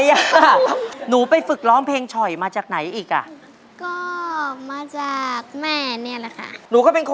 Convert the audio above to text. อันนี้นึกไม่ถึง